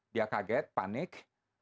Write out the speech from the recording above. dia kaget panik